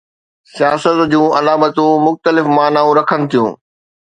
سياست جون علامتون مختلف معنائون رکن ٿيون.